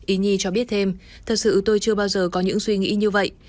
ý nhi cho biết thêm thật sự tôi chưa bao giờ có những suy nghĩ như vậy